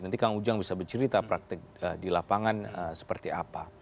nanti kang ujang bisa bercerita praktik di lapangan seperti apa